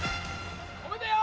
・止めてよ！